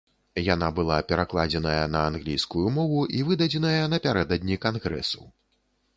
Яна была перакладзеная на англійскую мову і выдадзеная напярэдадні кангрэсу.